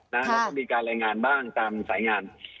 แล้วก็มีการรายงานบ้างตามสายงาน